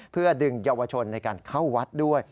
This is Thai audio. เพื่อดึงเยาวชนในการเข้าวัดด้วย